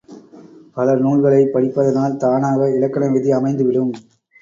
பல நூல்களைப் படிப்பதனால் தானாக இலக்கண விதி அமைந்துவிடும்.